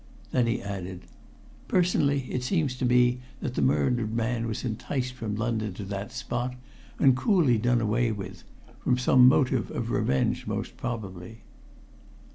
Then he added: "Personally, it seems to me that the murdered man was enticed from London to that spot and coolly done away with from some motive of revenge, most probably."